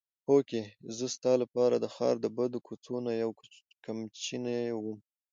هوکې زه ستا لپاره د ښار د بدو کوڅو نه یوه کمچنۍ وم.